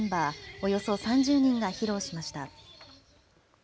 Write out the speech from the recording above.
およそ３０人が披露しました。